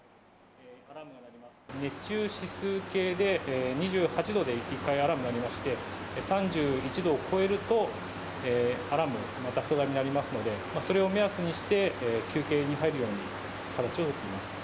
熱中指数形で２８度で一回アラーム鳴りまして、３１度を超えると、アラームがまた鳴りますので、それを目安にして、休憩に入るように形を取っています。